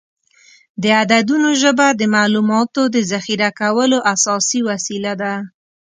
د عددونو ژبه د معلوماتو د ذخیره کولو اساسي وسیله ده.